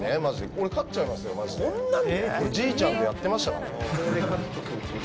俺、じいちゃんとやってましたから。